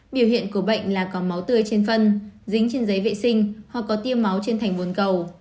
biểu hiện của bệnh là có máu tươi trên phân dính trên giấy vệ sinh hoặc có tiêu máu trên thành vốn cầu